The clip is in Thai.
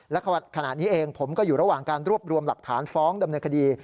และขณะนี้เองผมก็อยู่ระหว่างการรวบรวมหลักฐานฟ้องดำเนินคดี